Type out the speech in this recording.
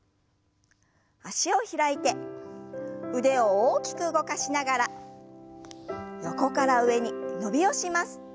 脚を開いて腕を大きく動かしながら横から上に伸びをします。